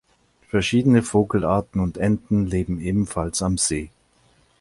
Verschiedene Vogelarten und Enten leben ebenfalls am See.